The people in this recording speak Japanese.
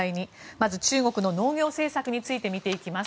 まず中国の農業政策について見ていきます。